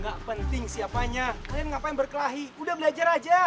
gak penting siapanya rian ngapain berkelahi udah belajar aja